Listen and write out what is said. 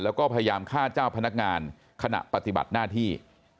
แล้วก็พยายามฆ่าเจ้าพนักงานขณะปฏิบัติหน้าที่